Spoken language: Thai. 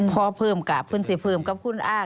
พอเพิ่มไปพวงศิษย์เพิ่มกับคุณมา